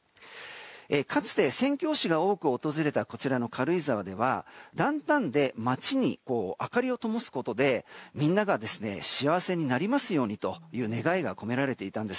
かつて宣教師が多く訪れたこちらの軽井沢ではランタンで街に明かりをともすことでみんなが幸せになりますようにと願いが込められていました。